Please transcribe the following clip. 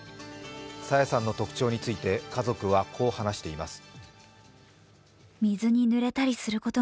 朝芽さんの特徴について家族は、こう話しています。